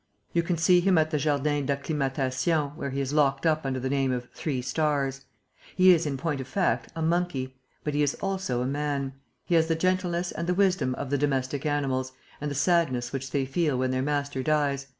You can see him at the Jardin d'Acclimatation, where he is locked up under the name of "Three Stars." He is, in point of fact, a monkey; but he is also a man. He has the gentleness and the wisdom of the domestic animals and the sadness which they feel when their master dies.